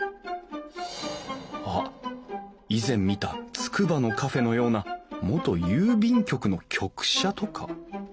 あっ以前見たつくばのカフェのような元郵便局の局舎とか？